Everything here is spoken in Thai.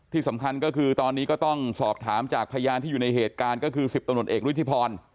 ที่สำคัญก็คือตอนนี้ก็ต้องสอบถามจากพยานที่อยู่ในเหตุการณ์